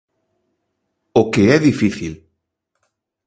O que é difícil.